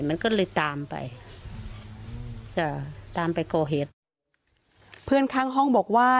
มันก็เลยตามไปจะตามไปก่อเหตุเพื่อนข้างห้องบอกว่า